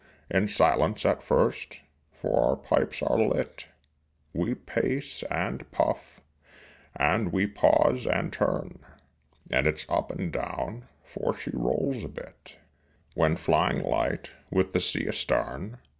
In silence at first for our pipes are lit We pace and puff, and we pause and turn, And it's up and down, for she rolls a bit When flying light with the sea astern.